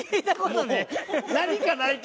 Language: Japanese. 何かないか。